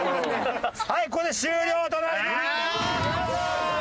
はいこれで終了となりまーす！